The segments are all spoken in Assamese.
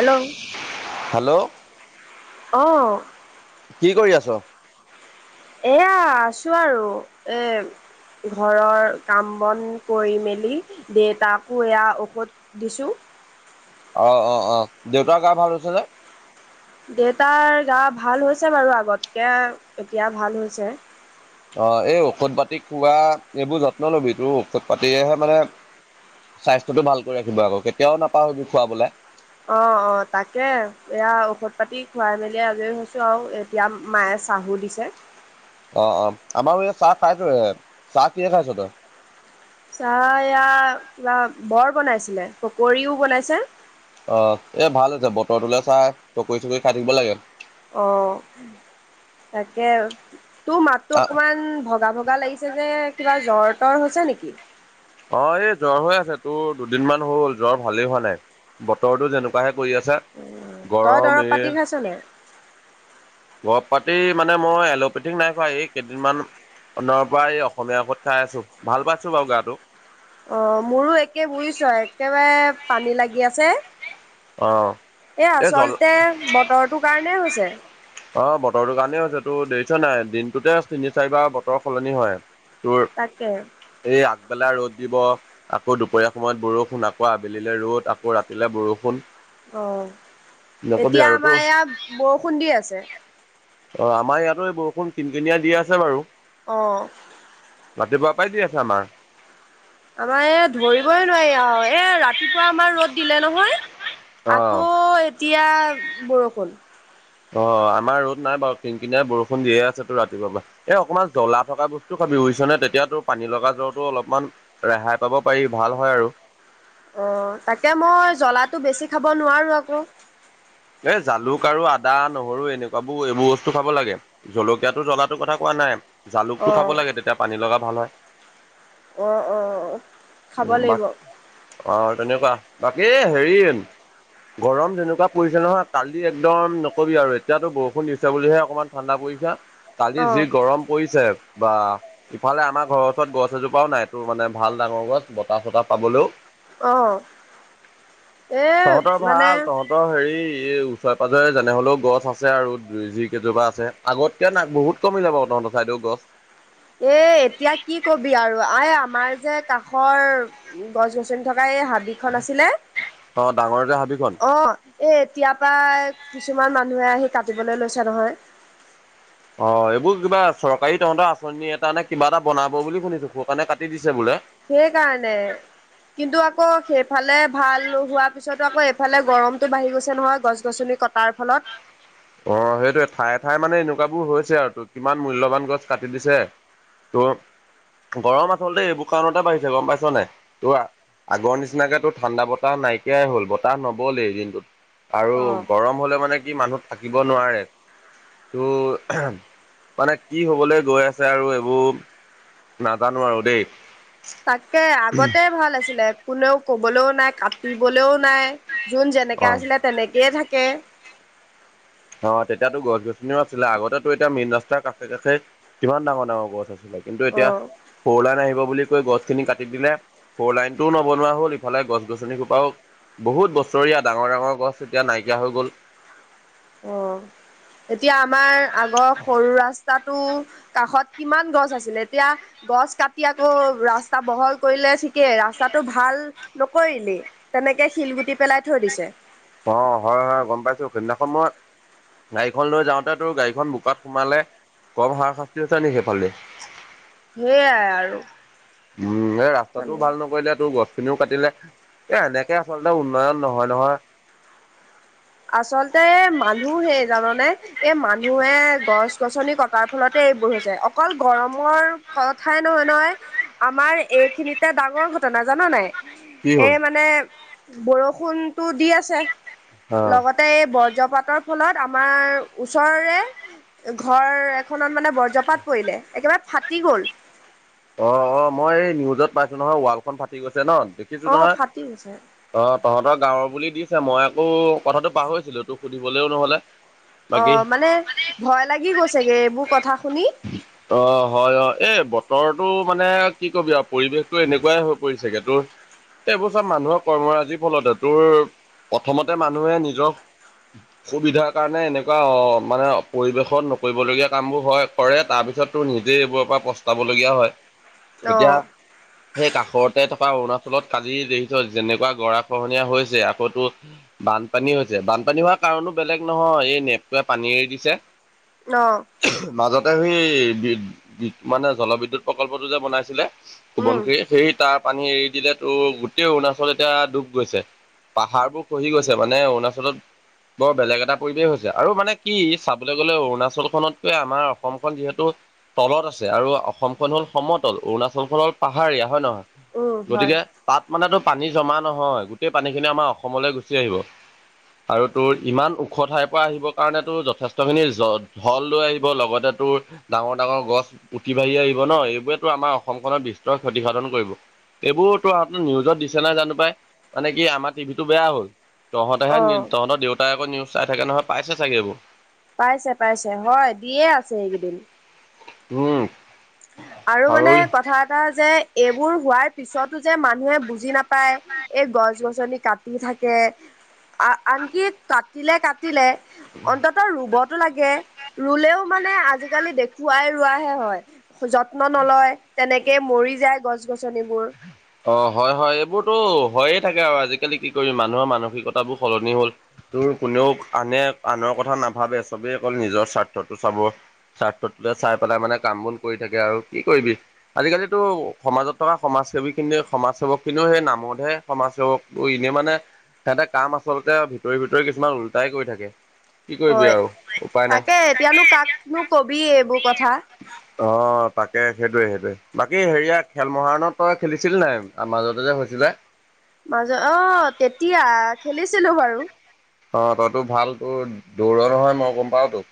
হেল্ল'। হেল্ল'। অ। কি কৰি আছোঁ। এয়া আছোঁ আৰু এ। ঘৰৰ কাম বন কৰি মেলি। দেতাকো এয়া ঔষধ দিছোঁ। অ, অ, অ দেউতাৰ গা ভাল হৈছে নে। দেউতাৰ গা ভাল হৈছে বাৰু আগতকৈ এতিয়া ভাল হৈছে। অ এই ঔষধ পাতি খোৱা এইবোৰ যত্ন লবি তোৰ ঔষধ পাতিয়েহে মানে। স্বাস্থ্যটো ভাল কৰি ৰাখিব আকৌ কেতিয়াও নাপাহৰিবি খুৱাবলৈ। অ, অ তাকে এয়া ঔষধ পাতি খুৱাই মেলি আজৰি হৈছো আৰু। [unintelligible] এতিয়া মায়ে চাহু দিছে। অ, অ আমাৰো এই চাহ খাইছোঁহে চাহ কিহেৰে খাইছোঁ তই। চাহ এয়া কিবা বৰ বনাইছিলে পকৰীও বনাইছে। অ এ ভাল হৈছে বতৰটোলৈ চাই পকৰী চকৰি খাই থাকিব লাগে। অ তাকে তোৰ মাততো অ', অকমান ভগা, ভগা লাগিছ ছে যে কিবা জ্বৰ তৰ হৈছে নেকি। অ এই জ্বৰ হৈ আছে তোৰ দুদিনমান হ'ল জ্বৰ ভালেই হোৱা নাই। বতৰটো যেনেকুৱাহে কৰি আছে তই দৰৱ গৰম এ। [unintelligible] দৰৱ পাতি মানে মই এলোপেথিক নাই খোৱা এই কেইদিনমান। খনৰ পৰা এই অসমীয়া ঔষধ খাই আছোঁ ভাল পাইছোঁ বাৰু গাটো। অ মোৰো একে বুজিছোঁ একেবাৰে পানী লাগি আছে। অ এ এই জল আচলতে বতৰটোৰ কাৰণে হৈছে। অ বতৰটোৰ কাৰণেই হৈছে তোৰ দেখিছোঁ নে নাই দিনটোতে তিনি চাৰিবাৰ বতৰ সলনি হয় তোৰ। তাকে। এই আগবেলা ৰ'দ দিব। আকৌ দুপৰীয়া সময়ত বৰষুণ আকৌ আবেলিলৈ ৰ'দ আকৌ ৰাতিলে বৰষুণ। অ, নকবি এতিয়া আৰু তো আমাৰ ইয়াত বৰষুণ দি আছে। অ, আমাৰ ইয়াতো বৰষুণ কিন কিনিয় দি আছে বাৰু। অ'। ৰাাতিপুৱাৰ পৰাই দি আছে আমাৰ আমাৰ এ, ধৰিবই নোৱাৰি আৰু এ ৰাতিপুৱা আমাৰ ৰ'দ দিলে নহয়। অ আকৌ এতিয়া বৰষুণ। অ, আমাৰ ৰ'দ নাই বাৰু কিনকিনিয়াই বৰষুণ দিয়ে আছে তো ৰাতিপুৱাবা। এ, অকণমান জ্বলা থকা বস্তু খাবি উৰিছ নে তেতিয়াতোৰ পানী লগা জ্বৰটো অলপমান ৰেহাই পাব পাৰি ভাল হয় আৰু। অ, তাকে মই জ্বলাটো বেছি খাব নোৱাৰো আকৌ। এ, জালুক আৰু আদা, নহৰু এনেকুৱাবোৰ এইবোৰ বস্তু খাব লাগে। জলকীয়াাতটো, জ্বলাটো কথা কোৱা নাই জালুকতটো খাব অ'। লাগে তেতিয়া পানী লগা ভাল হয়। অ', অ'। উ, খাব বাক লাগিব অ, তেনেকুৱা বাকী হেৰি গৰম যেনেকুৱা পৰিছে নহয় কালি একদম নকবি আৰু এতিয়াতো বৰষুণ দিছে বুলিহে অকণমান। ঠাণ্ডা পৰিছে কালি যি অ' গৰম পৰিছে। বা ইফালে আমাৰ ঘৰৰ ওচৰত বতাহ-চতাহ পাবলৈও। অ, এ তহঁতৰ মানে ভাল তহঁতৰ হেৰি এই ওচৰে পাজৰে যেনে হ'লেও গছ আছে আৰুই যই কেইজোপা আছে। আগতকে না বহুত কমি যাব তহঁৰ চাইদেউ গছ। এ, এতিয়া কি কবি আৰু আ আমাৰ যে কাষৰ গছ-গছনি থকা এই হাবি খ আছিলে, অ ডাঙৰ যে হাবিখন। অ'। এ, এতিয়াৰ পৰা কিছুমান মানুহে আহি কাটিবলৈ লৈছে নহয়। অ, এইবোৰ কিবা চৰকাৰী তহঁতৰ আঁচনি এটা নে কিবা এটা বনাব বুলি শুনিছো খ কাৰণে কাটি দিছে বোলে। সেইকাৰণে কিন্তু আকৌ সেইফালে ভাল হোৱাৰ পিছতো আকৌ এইফালে গৰমটো বাঢ়ি গৈছে নহয় গছ-গছনি ক তাৰ ফলত অ, সেইটোৱে ঠায়ে ঠায়ে মানে এনেকুৱাবোৰ হৈছে আৰু ত কিমান মূল্যবান গছ কাটি দিছে। তোৰ গৰম আচলতে এইবোৰ কাৰণতে বাঢ়িছে গৰম পাইছ নে তোৰ আগৰ নিচিনাকেত তো ঠাণ্ডা বতাহ নাইকিয়াই হ'ল বতাহ নবলেই দিনটোত আৰু অ'। গৰম হ'লে মানে কি মানুহ থাকিব নোৱাৰে। ত' মানে কি হ'বলৈ গৈ আছে আৰু এইবোৰ। নাজানো আৰু দেই। তাকে আগতে ভাল আছিলে কোনেও ক'বলৈও নাই কাটিবলৈও নাই। যোন যেনেকৈ অ'। আছিলে তেনেকেয়ে থাকে। অ, তেতিয়াতো কিন্তু অ এতিয়া ফৌলাইন আহিব বুলি কৈ গছখিনি কাটি দিলে। ফ' লাইন টোও নবনোৱা হ'ল ইফালে গছ-গছনি খোপাওঁ বহুত বছৰীয়া ডাঙৰ, ডাঙৰ গছ এতিয়া নাইকিয়া হৈ গ'ল। অ'। এতিয়া আমাৰ গছ কাটি আকৌ ৰাস্তা বহল কৰিলে ঠিকেই, ৰাস্তাটো ভাল নকৰিলেই। তেনেকে শিলগুটি পেলাই থৈ দিছে। অ, হয়, হয়, গ'ম পাইছো সেইদিনাখন মই গাড়ীখন লৈ যাওঁতে তোৰ গাড়ীখন বোকাত সোমালে। কম হাৰ শাস্তি হৈছে নে সেইফালেদি সেইয়াই আৰু উম, এই ৰাস্তাটো মানে ভাল নকৰিলে তোৰ গছ খিনিও কাটিলে এ এনেকে আচলতে উন্নয়ন নহয়, নহয়। আচলতে মানুহ হেই জাননে? এ, মানুহে গছ গছনি কটাৰ ফলতে এইবোৰ হৈছে। অকল গৰমৰ কথাই নহয়, নহয়। আমাৰ এইখিনিতে ডাঙৰ ঘটনা জান নাই? কি এ, হ'ল মানে বৰষুণটো দি আছে। অ'। লগতে এই বজ্ৰপাতৰ ফলত আমাৰ ওচৰৰে ঘৰ এখনত মানে বজ্ৰপাত পৰিলে। একেবাৰে ফাটি গল। অ', অ', মই এই নিউজত পাইছো নহয় ৱালখন ফাটি গৈছে ন, দেখিছো অ নহয়। ফাটি গৈছে অ', তহঁতৰ গাঁৱৰ বুলি দিছে, মই আকৌ কথাটো পাহৰিছিলো তোক সুধিবলৈও নহ'লে। বাকী অ', মানে ভয় লাগি গৈছেগে এইবোৰ কথা শুনি। অ', হয় অ', এই বতৰটো কি কবি আৰু পৰিৱেশ টো এনেকুৱায়ে হৈ পৰিছেগে, তোৰ এইবোৰ চ'ব মানুহৰ কৰ্মৰাজিৰ ফলতে। তোৰ, প্ৰথমতে মানুহে নিজক অসুবিধা কাৰণে এনেকুৱা অ', মানে পৰিবেশত নকৰিবলগীয়া কামবোৰ হয় কৰে, তাৰ পিছত তোৰ নিজেই এইবোৰৰ পৰা প্ৰস্তবলগীয়া হয়। অ এতিয়া সেই কাষতে থকা অৰুণাচলত কালি দেখিছ যেনেকুৱা গৰা খহনীয়া হৈছে। আকৌ তোৰ বানপানী হৈছে। বানপানী হোৱাৰ কাৰণো বেলেগ নহয়। এই নেপটোৱে পানী এৰি দিছে। অ'। মাজতে সেই বি- মানে জলবিদ্যুৎ প্ৰকল্পটো যে বনাইছিলে উম সোবনখিৰিত, সেই তাৰ পানী এৰি দিলেতো গোটেই অৰুণাচলত এতিয়া ডুব গৈছে। পাহাৰবোৰ খহি গৈছে, মানে অৰুণাচলত বৰ বেলেগ এটা পৰিৱেশ হৈছে। আৰু মানে কি চাবলৈ গলে অৰুণাচলখনতকৈ আমাৰ অ অসমখন যিহেতু তলত আছে, আৰু অসমখন হল সমতল অৰুণাচলখন হল পাহাৰীয়া হয় নহয়। উম হয় গতিকে তাত মানে টোৰ পানী জমা নহয়, গোটেই পানী খিনি আমাৰ অসমলৈ গুচি আহিব। আৰু তোৰ ইমান ওখ ঠাইৰ পৰা আহিবৰ কাৰণে তোৰ যথেষ্টখিনি জত হল লৈ আহিব লগতে তোৰ ডাঙৰ ডাঙৰ গছ উতি বাঢ়ি আহিব ন, এইবোতো আমাৰ অসমখনত বিস্তৰ ক্ষতিসাধন কৰিব। এইবোৰ তোৰ নিউজত দিছে নাই জানো পাই, মানে কি আমাৰ টিভি টো বেয়া হ'ল। তহঁতেহে অ নিউ- তহঁতৰ দেউতাই আকৌ নিউজ চাই থাকে নহয় পাইছে চাগে এইবোৰ। পাইছে, পাইছে হয় দিয়ে আছে এইকেইদিন। উম। আৰু মানে কথা এটা যে এইবোৰ হোৱাৰ পিছতো যে মানুহে বুজি নাপায়। এই গছ গছনি কাটি থাকে, আ-আনকি কাটিলে, কাটিলে অন্তত ৰুবতো লাগে। ৰুলেও মানে আজিকালি দেখুৱাই ৰোৱাহে হয়। যত্ন নলয়, তেনেকেই মৰি যায় গছ গছনিবোৰ। অ', হয়, হয় এইবোৰতো হয়েই থাকে আৰু আজিকালি কি কৰিম মানুহৰ মানসিকতাবোৰ সলনি হ'ল। তোৰ কোনেও আনে আনৰ কথা নাভাবে চবেই অকল নিজৰ স্বাৰ্থটো চাব। স্বাৰ্থটোলে চাই পেলাই মানে কাম বোন কৰি থাকে আৰু কি কৰিবি। আজিকালিতো সমাজত থকা সমাজ সেৱিক খিনি সমাজ সেৱক খনিও সেই নামতহে সমাজ সেৱক। এনেই মানে সিহঁতে কাম আচলতে ভিতৰি ভিতৰি কিছুমান ওলটাই কৰি থাকে। কি কৰিবি হয়। আৰু উপায় নাই। তাকে এতিয়ানো কাকনো কবি এইবোৰ কথা। অ', তাকে সেইটোয়ে সেইটোয়ে বাকী হেৰিয়াত খেল মহাৰণত তই খেলিছিলি নাই? মাজতে যে হৈছিলে। মাজত অ', তেতিয়া খেলিছিলো বাৰু। অ', তইতো ভাল তোৰ দৌৰ নহয় মই গম পাওঁতো।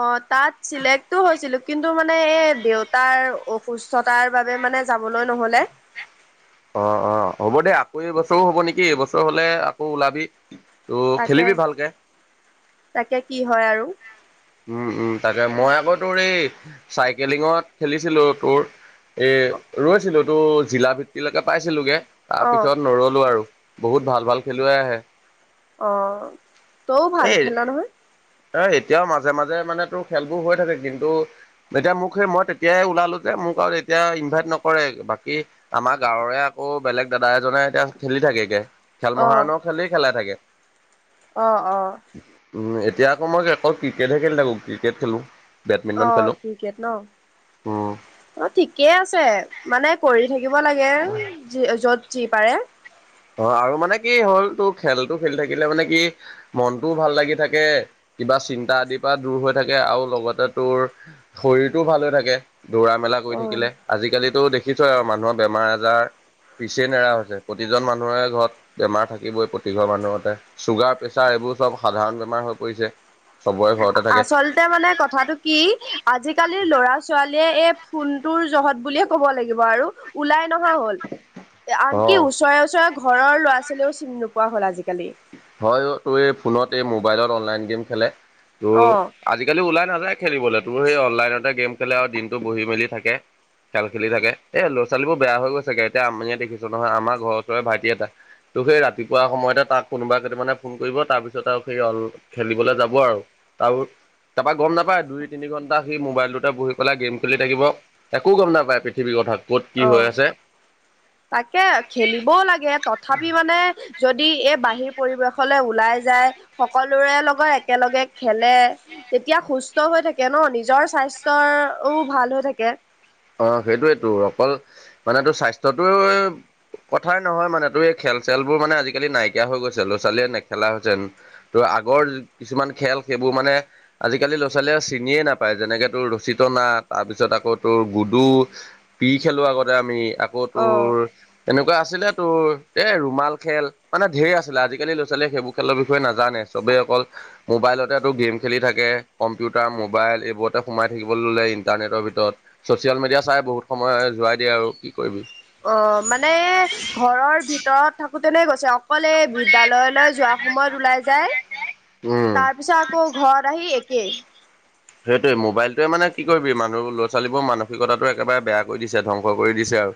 অ', তাত চিলেক্টটো হৈছিলো, কিন্তু মানে এই দেউতাৰ অসুস্থতাৰ বাবে মানে যাবলৈ নহলে। অ', অ', হ'ব দে আকৌ এইবছৰো হব নেকি, এইবছৰ হলে আকৌ ওলাবি। ত' তাকে, খেলিবি ভালকে তাকে কি হয় আৰু। উম, উম, তাকে মই আকৌ তোৰ এই চাইকেলিঙত খেলিছিলো তোৰ এ ৰৈছিলো টো জিলা ভিত্তিলৈকে পাইছিলোগে। অ তাৰপিছত নৰলো আৰু বহুত ভাল ভাল খেলুৱৈ আহে। অ', তইও ভাল এই খেল নহয়। এ এতিয়াও মাজে, মাজে মানে তোৰ খেলবোৰ হৈ থাকে কিন্তু এতিয়া মোক সেই মই তেতিয়াই ওলালো যে মোক আৰু এতিয়া ইনভাইট নকৰে বাকী আমাৰ গাঁৱৰে আকৌ বেলেগ দাদা এজনে এতিয়া খেলি থাকেগে। খেল অ মহাৰণৰ খেলেই খেলাই থাকে। অ', অ'। উ, এতিয়া আকৌ মই যে আকৌ ক্ৰিকেটহে খেলি থাকো ক্ৰিকেট খেলো। অ বেডমিণ্টন খেলোঁ ক্ৰিকেট ন হু। অ', ঠিকেই আছে মানে কৰি থাকিব লাগে। [unintelligible] যি য'ত যি পাৰে। অ', আৰু মানে কি হ'ল তটো খেলতটো খেলি থাকিলে মানে কি মনটোও ভাল লাগি থাকে কিবা চিন্তা আদিৰ পৰা দূৰ হৈ থাকে আৰু লগতে তোৰ শৰীৰটোও ভাল হৈ থাকে। দৌৰা মেলা কৰি অ থাকিলে আজিকালিতো দেখিছ আৰু মানুহৰ বেমাৰ আজাৰ পিছে নেৰা হৈছে প্ৰতিজন মানুহৰে ঘৰত বেমাৰ থাকিবই প্ৰতিঘৰ মানুহতে। চুগাৰ প্ৰেচাৰ এইবোৰ চব সাধাৰণ বেমাৰ হৈ পৰিছে চবৰে বয়সত আচলতে মানে কথাটো কি? আজিকালিৰ ল'ৰা ছোৱালীয়ে এই ফোনটোৰ জহত বুলিয়ে ক'ব লাগিব আৰু ওলাই নহোৱা হ'ল। আনকি অ ওচৰে ওচৰে ঘৰৰ ল'ৰা ছোৱালীও চিনি নোপোৱা হ'ল আজিকালি হয় তোৰ এই ফোনত এই মোবাইলত অনলাইন গেম খেলে তোৰ অ আজিকালি ওলাই নাযায় খেলিবলৈ তো সেই অনলাইনতে গেম খেলে আৰু দিনটো বহি মেলি থাকে খেল খেলি থে এই লৰা ছোৱালীবোৰ বেয়া হৈ গৈছেগে এতিয়া আমি দেখিছো নহয় আমাৰ ঘৰ চৰে ভাইটি এটা তো সেই ৰাতিপুৱা সময়তে তাক কোনোবা কেইটামানে ফোন কৰিব তাৰপিছত আৰু সেই অল খেলিবলৈ যাব আৰু তাৰো তাৰপৰা গম নাপায় দুই তিনি ঘণ্টা সি মোবাইলটোতে বহি পেলাই গেম খেলি থাকিব একো গম নাপায়, পৃথিৱীৰ কথা ক'ত কি অ হৈ আছে তাকে খেলিবও লাগে তথাপি মানে যদি এই বাহিৰ পৰিৱেশলৈ ওলাই যায় সকলোৰে লগত একেলগে খেলে তেতিয়া সুস্থ হৈ থাকে ন নিজৰ স্বাস্থ্যৰও ভাল হৈ থাকে অ', সেইটোয়েতো অকল মানে তোৰ স্বাস্থ্যটো কথাই নহয় মানে তোৰ এই খেল চেলবোৰ মানে আজিকালি নাইকিয়া হৈ গৈছে ল'ৰা ছোৱালীয়ে নেখেলা হৈছে ত আগৰ কিছুমান খেল সেইবোৰ মানে আজিকালি ল'ৰা ৱালীয়ে আৰু চিনিয়ে নাপায় যেনেকে তোৰ ৰচী না তাৰপিছত আকৌ তোৰ গুডু পি খেলোৱা আগতে আমি আকৌ অ তোৰ এনেকুৱা আছিলে তোৰ এই ৰুমাল খেল মানে ঢেৰ আছিলে আজিকালি ল'ৰা ছোৱালীয়ে সেইবোৰ খেলৰ বিষয়ে নাজানে চবেই অকল মোবাইলতেতো গেম খেলি থাকে কম্পিউটাৰ মোবাইল এইবোৰতে সোমাই থাকিবলৈ ল'লে ইণ্টাৰনেটৰ ভিতৰত ছ'চিয়েল মিডিয়া চাই বহুত সময় যোৱাই দিয়ে আৰু কি কৰিবি অ', মানে ঘৰৰ ভিতৰত থাকোতেনে গৈছে অকলে বিদ্যালয় যোৱা সময়ত ওলাই যায় উম তাৰপিছত আকৌ ঘৰত আহি একেই সেইটোৱে মোবাইলটোৱে মানে কি কৰিবি মানুহ ল'ৰা ছোৱালীবোৰ মানসিকতা একেবাৰে বেয়া কৰি দিছে ধ্বংস কৰি দিছে আৰু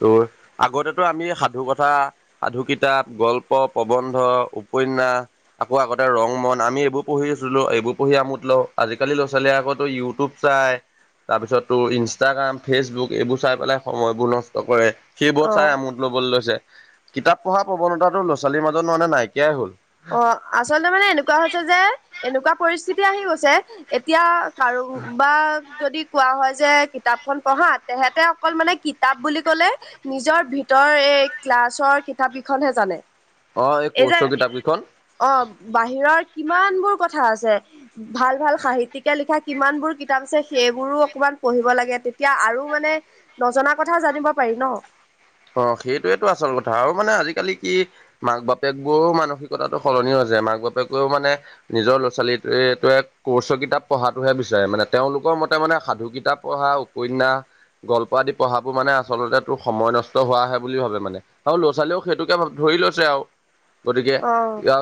ত' আগতেতো আমি সাধু কথা সাধু কিতাপ গল্প প্ৰবন্ধ উপন্যাস আকৌ আগতে ৰং মন আমি এইবোৰ পঢ়ি আছিলো এইবোৰ পঢ়ি আমোত লও আজিকালি আজিকালি ল'ৰা ছোৱালীয়ে আকৌ ইউটিউব চাই তাৰপিছত তোৰ ইনষ্টাগ্ৰাম ফেচবুক এইবোৰ চাই পেলাই সময়বোৰ নষ্ট কৰে। সেইবোৰত অ চাই আমোদ ল'বলৈ লৈছে কিতাপ পঢ়াৰ প্ৰৱণতাটো ল'ৰা-ছোৱালীৰ মাজত মানে নাইকিয়াই হ'ল। অ, আচলতে মানে এনেকুৱা হৈছে যে এনেকুৱা পৰিস্থিতি আহি গৈছে এতিয়া কাৰো বা যদি কোৱা হয় যে কিতাপখন পঢ়া তেহেতে অকল মানে কিতাপ বুলি ক'লে নিজৰ ভিতৰৰ এই ক্লাছৰ কিতাপ কেইখনহে জানে। অ, এই কোৰ্চৰ কিতাপ কেইখন। অ, বাহিৰৰ কিমান বোৰ কথা আছে। ভাল, ভাল সাহিতয়িকে লিখা কিমান বোৰ কিতাপ আছে সেইবোৰো অকমান পঢ়িব লাগে তেতিয়া আৰু মানে নজনা কথাও জানিব পাৰি ন। অ, সেইটোয়েতটো আচল কথা আৰু মানে আজিকালি কি মাক-বাপেক গৈয়ও মানসিকতাটো সলনি হৈ যায় মাক-বাপেকেও মানে নিজৰ ল'ৰা-ছোৱালীৱটোৱে কৰ্চৰ কিতাপ পঢ়াতটোহে বিচাৰে মানে তেওঁলোকৰ মতে মানে সাধু কিতাপ পঢ়া উপন্যাস গল্প আদি পঢ়াবোৰ মানে আচলতে তোৰ সময় নষ্ট ত হোৱাহে বুলি ভাবে মানে আৰু লৰা-ছোৱালীয়েও সেইটোকে ভ ধৰি লৈছে আৰু। গতিকে অ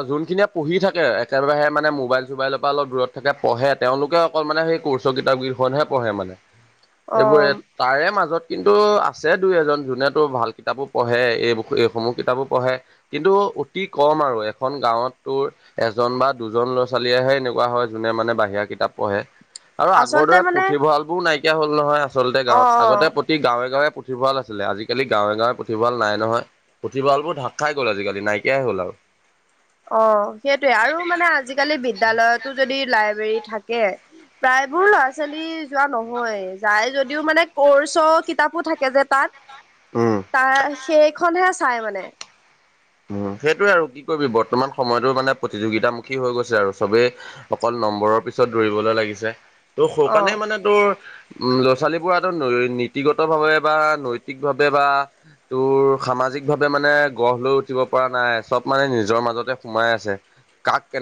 যোনখিনিয়ে পঢ়ি থাকে একেবাৰেহে মানে মোবাইল চোবাইলৰ পৰা অলপ দূৰতাকে পঢ়ে তেওঁলোকে অকল মানে সেই কিতাপ কেইখনহে পঢ়ে মানে। অ সেইবোৰে তাৰে মাজত কিন্তু আছে দুই, এজন যোনে তো ভাল কিতাপো পঢ়ে এই, এইসমূহ কিতাপো পঢ়ে। কিন্তু অতি কম আৰু এখন গাঁৱত তোৰ এজন বা দুজন ল'ৰা-ছোৱালীয়েহে এনেকুৱা হয় যোনে মানে বাহিৰা কিতাপ পঢ়ে। আৰু আগৰ আচলতে দৰে মানে পুথিভঁৰাল বোৰও নাইকিয়া হ'ল নহয় আচলতে অ গাঁৱত অ আগতে গাঁৱে, গাঁৱে পুভঁৰা আছিল। আজালি গাঁৱে, গাঁৱে পুথিভ ভ নহয় পুথিভালোৰ ঢাক খাই গ'ল আজিকালি নাইকিয়াই হ'ল। অ, সেইটয়ে আৰু মানে আজিকালি বিদ্যালয়তো যদি লাইব্ৰেৰী থাকে। প্ৰায়বোৰ ল'ৰা-ছোৱালী যোৱা নহয় যাই যদিও মানে কৰ্চৰ কিতাপো থাকে যে তাত উম তাৰ সেইখনহে চাই মানে। উ, সেইটোয়ে আৰু কি, কৰিবি বৰ্তমান সময়তো মানে প্ৰতিযোগিতামুখী হৈ গৈছে আৰু চবেই। অকল নম্বৰৰ পিছত দৌৰিবলৈ লাগিছে ত' সু অ কাৰণে মানে উম, ল'ৰা-ছোৱালীবোৰ নীতিগত ভাৱে বা নৈতিক ভাৱে বা তোৰ সামাজিক ভাৱে মানে গঢ় লৈ পৰা নাই চব মানে নিজৰ মাজতে সোমাই আছে কাক, কেনে